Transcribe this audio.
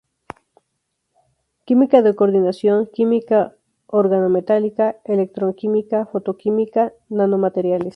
Química de Coordinación, Química Organometálica, Electroquímica, Fotoquímica, Nanomateriales